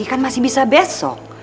kan masih bisa besok